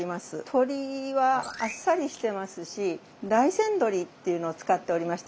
鶏はあっさりしてますし大山どりっていうのを使っておりまして鳥取の。